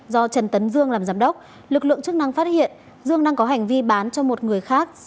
do trần tấn dương làm giám đốc lực lượng chức năng phát hiện dương đang có hành vi bán cho một người khác